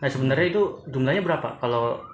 nah sebenarnya itu jumlahnya berapa